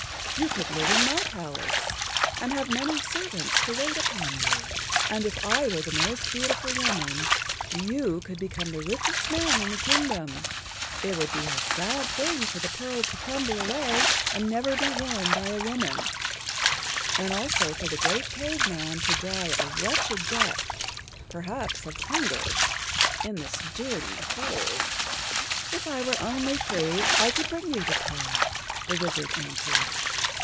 You could live in my palace and have many servants to wait upon you, and if I were the most beautiful woman, you could become the richest man in the kingdom. It would be a sad thing for the pearl to crumble away and never be worn by a woman, and also for the great Cave Man to die a wretched death—perhaps of hunger—in this dirty hole." "If I were only free I could bring you the pearl," the wizard answered.